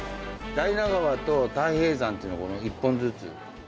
大納川と太平山っていうのを１本ずつ。